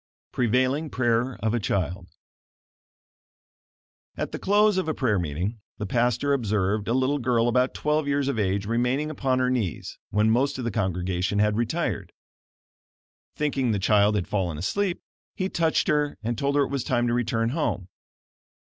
PREVAILING PRAYER OF A CHILD At the close of a prayer meeting, the pastor observed a little girl about twelve years of age remaining upon her knees, when most of the congregation had retired. Thinking the child had fallen asleep, he touched her and told her it was time to return home.